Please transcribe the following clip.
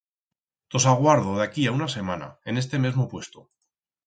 Tos aguardo d'aquí a una semana, en este mesmo puesto.